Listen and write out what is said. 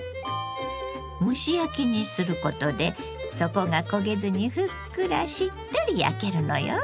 蒸し焼きにすることで底が焦げずにふっくらしっとり焼けるのよ。